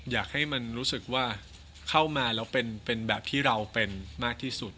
อยากให้มันรู้สึกว่าเข้ามาแล้วเป็นแบบที่เราเป็นมากที่สุด